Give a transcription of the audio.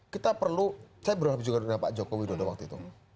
kita perlu saya berharap juga dengan pak jokowi dodo waktu itu